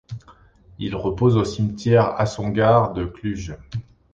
Il repose au cimetière Házsongárd de Cluj.